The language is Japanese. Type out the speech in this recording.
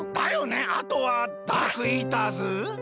あとはダークイーターズ？